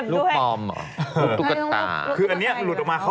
ลูกเทพด้วยลูกปอมเหรอ